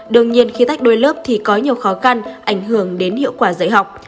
đương nhiên khi tách đôi lớp thì có nhiều khó khăn ảnh hưởng đến hiệu quả dạy học